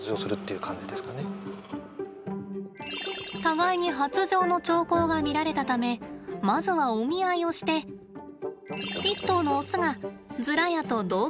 互いに発情の兆候が見られたためまずはお見合いをして１頭のオスがズラヤと同居を始めました。